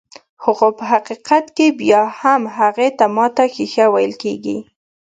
خو په حقيقت کې بيا هم هغې ته ماته ښيښه ويل کيږي.